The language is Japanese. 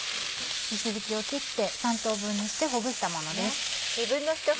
石づきを切って３等分にしてほぐしたものです。